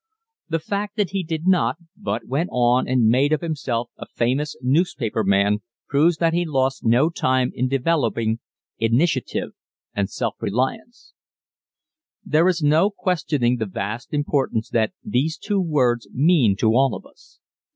The fact that he did not, but went on and made of himself a famous newspaper man, proves that he lost no time in developing initiative and self reliance. There is no questioning the vast importance these two words mean to all of us.